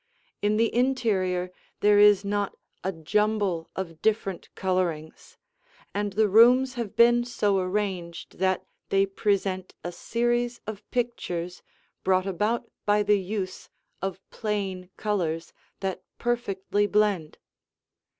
In the interior there is not a jumble of different colorings, and the rooms have been so arranged that they present a series of pictures brought about by the use of plain colors that perfectly blend.